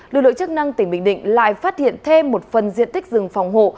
lực lượng chức năng tỉnh bình định lại phát hiện thêm một phần diện tích rừng phòng hộ